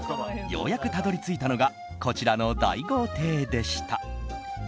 ようやくたどり着いたのがこちらの大豪邸でした。